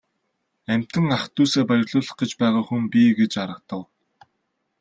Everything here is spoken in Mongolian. Амьтан ах дүүсээ баярлуулах гэж байгаа хүн би гэж аргадав.